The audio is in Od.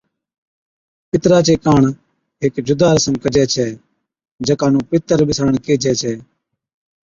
پِترا چي ڪاڻ ھيڪ جُدا رسم ڪجَي ڇَي، ’جڪا نُون پِتر ٻِساڻڻ (بيساڻڻ) ڪيھجَي ڇَي‘